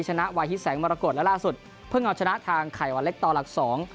ชนะวาฮิตแสงมรกฏและล่าสุดเพิ่งเอาชนะทางไข่วันเล็กต่อหลักสอง